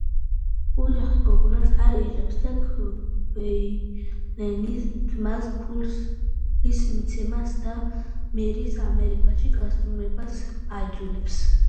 ოჯახი გოგონას არ იღებს და ქვეი-ლენის ძმას ფულის მიცემასა და მერის ამერიკაში გასტუმრებას აიძულებენ.